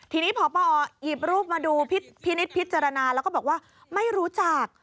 ทีนี้พรพรหยิบรูปมาดูพินนิษฎ์พิจารณาบอกว่าไม่รู้จัก